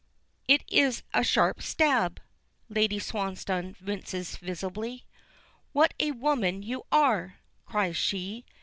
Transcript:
It is a sharp stab! Lady Swansdown winces visibly. "What a woman you are!" cries she.